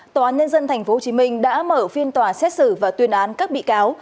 tòa án nhân dân tp hcm đã mở phiên tòa xét xử và tuyên án các bị cáo